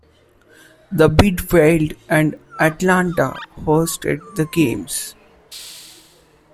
The bid failed and Atlanta hosted the Games.